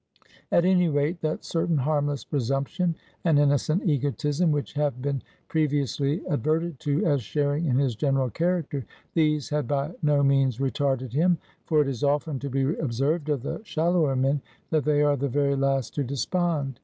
At any rate, that certain harmless presumption and innocent egotism which have been previously adverted to as sharing in his general character, these had by no means retarded him; for it is often to be observed of the shallower men, that they are the very last to despond.